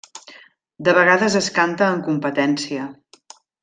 De vegades es canta en competència.